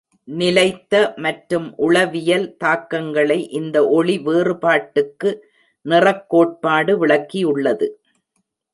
நிலைத்த மற்றும் உளவியல் தாக்கங்களை இந்த ஒளி வேறுபாட்டுக்கு நிறக் கோட்பாடு விளக்கியுள்ளது.